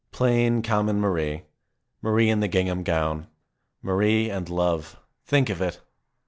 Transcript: Plain, common Marie! Marie in the gingham gown. Marie and love. Think of it